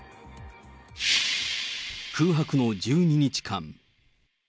空白の１２日間。